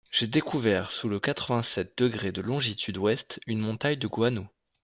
J’ai découvert sous le quatre-vingt-septe degré de longitude ouest… une montagne de guano…